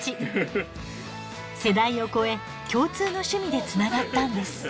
世代を超え共通の趣味でつながったんです。